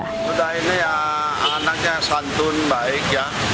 hoyrul huda ini anaknya santun baik ya